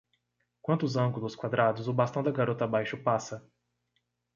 Quantos ângulos quadrados o bastão da garota abaixo passa?